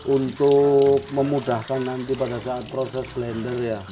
untuk memudahkan nanti pada saat proses blender ya